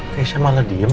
keisha malah diem